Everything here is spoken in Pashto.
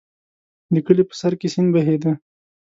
د کلي په سر کې سیند بهېده.